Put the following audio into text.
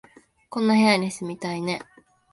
こんな部屋に住みたいね